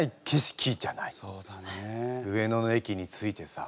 上野の駅に着いてさ。